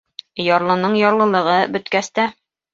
Ярлының ярлылығы бөткәс тә